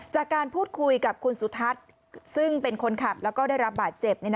จากการพูดคุยกับคุณสุทัศน์ซึ่งเป็นคนขับแล้วก็ได้รับบาดเจ็บ